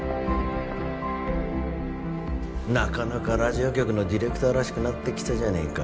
なかなかラジオ局のディレクターらしくなってきたじゃねえか。